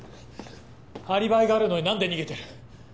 アリバイがあるのに何で逃げてる？